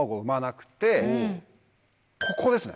ここですね